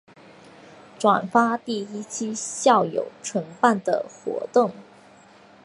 转发第一期校友承办的活动